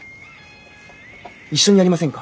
一緒にやりませんか？